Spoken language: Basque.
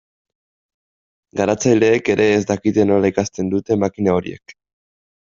Garatzaileek ere ez dakite nola ikasten duten makina horiek.